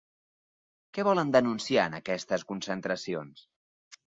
Què volen denunciar en aquestes concentracions?